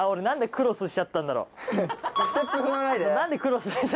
何でクロスしちゃったんだろう。